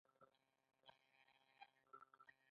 د خلکو ګټې ورته لومړیتوب لري.